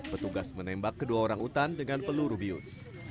petugas menembak kedua orang utan dengan peluru bius